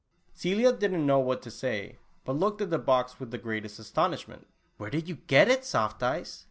" Celia did n't know what to say but looked at the box with the greatest astonishment. "Where did you get it, Soft Eyes?"